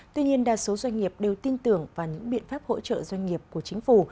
tuy nhiên đa số doanh nghiệp đều tin tưởng vào những biện pháp hỗ trợ doanh nghiệp của chính phủ